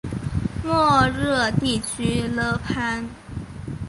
莫热地区勒潘。